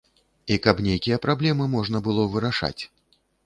І каб нейкія праблемы можна было вырашаць.